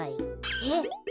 えっ？